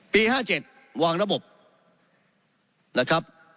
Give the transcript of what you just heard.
๕๗วางระบบนะครับ